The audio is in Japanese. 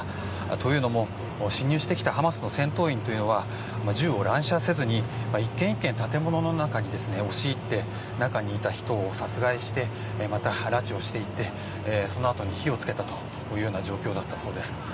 というのも襲撃してきたハマスの戦闘員は銃を乱射せずに１軒１軒建物の中に押し入って中にいた人を殺害してまた拉致をしていってそのあとに火を付けたという状況だったそうです。